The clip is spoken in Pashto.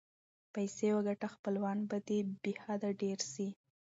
پیسې وګټه خپلوان به دې بی حده ډېر سي.